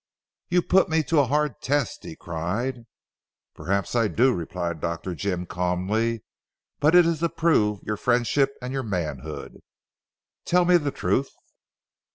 "You put me to a hard test," he cried. "Perhaps I do," replied Dr. Jim calmly, "but it is to prove your friendship and your manhood. Tell me the truth."